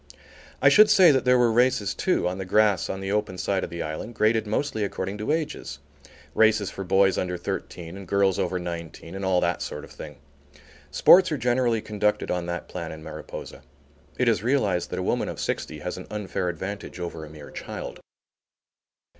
I should say that there were races too, on the grass on the open side of the island, graded mostly according to ages, races for boys under thirteen and girls over nineteen and all that sort of thing. Sports are generally conducted on that plan in Mariposa. It is realized that a woman of sixty has an unfair advantage over a mere child.